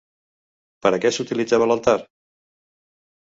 Per a què s'utilitzava l'altar?